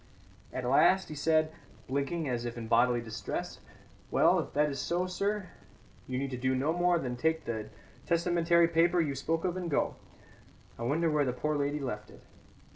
At last he said, blinking as if in bodily distress: "Well, if that is so, sir, you need do no more than take the testamentary paper you spoke of and go. I wonder where the poor lady left it."